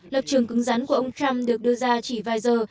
lập trường cứng rắn của ông trump được đưa ra chỉ vài giờ